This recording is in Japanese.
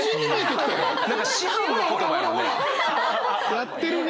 やってるね。